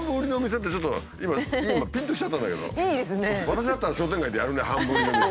私だったら商店街でやるね半分売りの店。